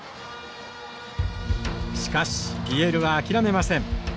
しかしＰＬは諦めません。